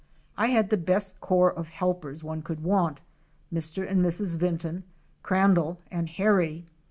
I had the best corps of helpers one could want; Mr. and Mrs. Vinton, Crandall and Harry.